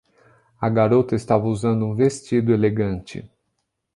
A garota estava usando um vestido elegante.